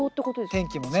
天気もね。